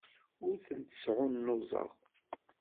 Ur tent-sɛunnuẓeɣ.